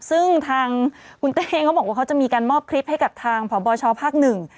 ซึ่งทางคุณเต้เขาบอกว่าเขาจะมีการมอบคลิปให้กับทางพบชภาคหนึ่ง